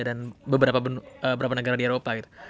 dan beberapa negara di eropa